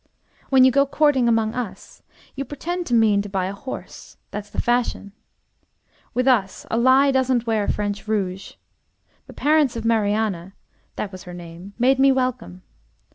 When you go a courting among us, you pretend to mean to buy a horse. That's the fashion. With us, a lie doesn't wear French rouge. The parents of Marianne (that was her name) made me welcome.